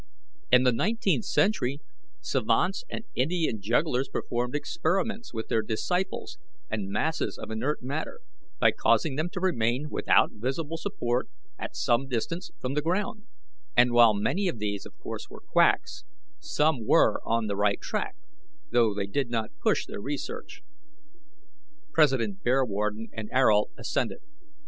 In the nineteenth century, savants and Indian jugglers performed experiments with their disciples and masses of inert matter, by causing them to remain without visible support at some distance from the ground; and while many of these, of course, were quacks, some were on the right track, though they did not push their research." President Bearwarden and Ayrault assented.